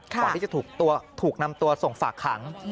ก่อนที่จะถูกนำตัวส่งฝากขัง